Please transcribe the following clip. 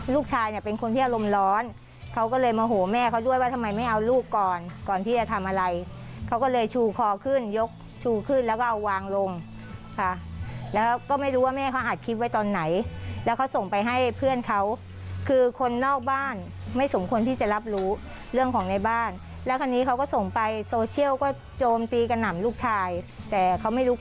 ลูกชายเนี่ยเป็นคนที่อารมณ์ร้อนเขาก็เลยโมโหแม่เขาด้วยว่าทำไมไม่เอาลูกก่อนก่อนที่จะทำอะไรเขาก็เลยชูคอขึ้นยกชูขึ้นแล้วก็เอาวางลงค่ะแล้วก็ไม่รู้ว่าแม่เขาอัดคลิปไว้ตอนไหนแล้วเขาส่งไปให้เพื่อนเขาคือคนนอกบ้านไม่สมควรที่จะรับรู้เรื่องของในบ้านแล้วคราวนี้เขาก็ส่งไปโซเชียลก็โจมตีกระหน่ำลูกชายแต่เขาไม่รู้ก